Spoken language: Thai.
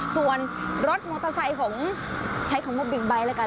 ส่วนรถมอเตอร์ไซค์ของใช้คำว่าบิ๊กไบท์แล้วกัน